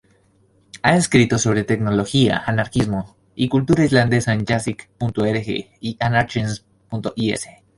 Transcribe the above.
Ha escrito sobre tecnología, anarquismo, y cultura islandesa en Yaxic.org y Anarchism.is.